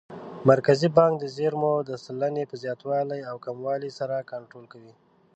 مرکزي بانک د زېرمو د سلنې په زیاتوالي او کموالي سره کنټرول کوي.